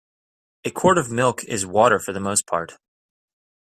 A quart of milk is water for the most part.